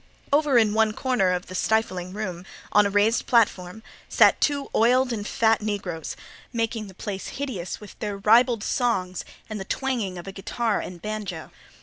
Over in one corner of the stifling room, on a raised platform, sat two oily and fat negroes, making the place hideous with their ribald songs and the twanging of a guitar and banjo.